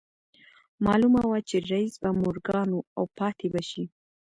معلومه وه چې رييس به مورګان و او پاتې به شي